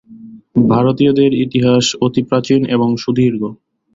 ভারতীয়দের ইতিহাস অতি প্রাচীন এবং সুদীর্ঘ।